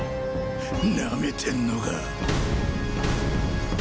なめてんのか？